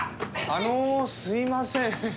あのすいません。